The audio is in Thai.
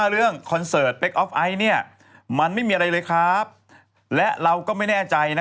เบอร์จะติดต่อกลับด้วย